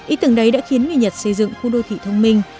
ý tưởng đấy đã khiến người nhật xây dựng khu đô thị thông minh